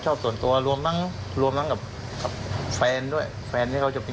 ชอบส่วนตัวรวมทั้งรวมทั้งกับแฟนด้วยแฟนที่เขาจะเป็น